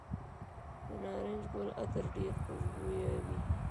د نارنج ګل عطر ډیر خوشبويه وي.